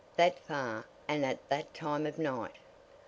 "That far and at that time of night?"